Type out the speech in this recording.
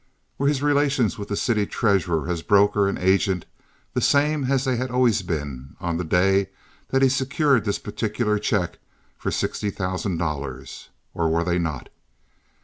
Were his relations with the city treasurer as broker and agent the same as they had always been on the day that he secured this particular check for sixty thousand dollars, or were they not?